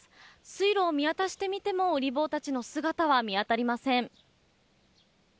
水路を見渡してみてもウリ坊たちの姿は見当たりません。